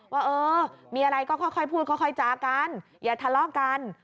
ว่าเออมีอะไรก็ค่อยพูดค่อยจากันอย่าทะเลาะกัน